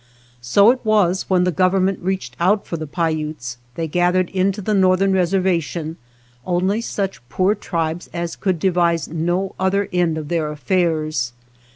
So it was when the government reached out for the Paiutes, they gathered into the Northern Reservation only such poor tribes as could devise no other end of their affairs.